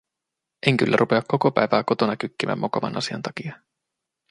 En kyllä rupea koko päivää kotona kykkimään mokoman asian takia.